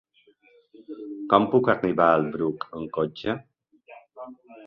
Com puc arribar al Bruc amb cotxe?